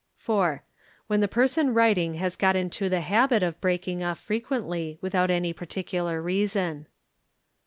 ; 7 4. When the person writing has got into a habit of breaking « of frequently without any particular reason.